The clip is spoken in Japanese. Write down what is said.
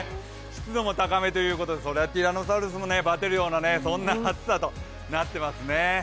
湿度も高めということでそりゃティラノサウルスもばてるようなそんな暑さとなっていますね。